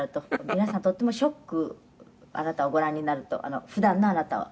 「皆さんとってもショックあなたをご覧になると普段のあなたを」